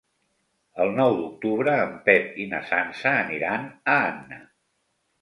El nou d'octubre en Pep i na Sança aniran a Anna.